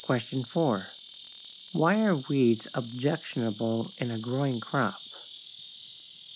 Why are weeds objectionable in a growing crop?